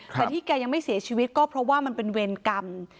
แต่ที่แกยังไม่เสียชีวิตก็เพราะว่ามันเป็นเวรกรรม